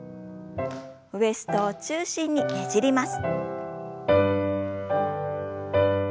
ウエストを中心にねじります。